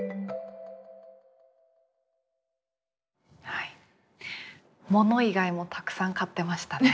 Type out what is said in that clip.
はい物以外もたくさん買ってましたね。